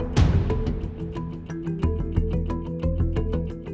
โปรดติดตามตอนต่อไป